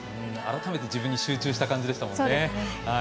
改めて自分に集中した感じでしたもんね。